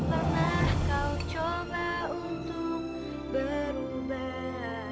pernah kau coba untuk berubah